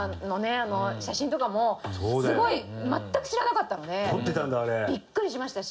あの写真とかもすごい全く知らなかったのでビックリしましたし。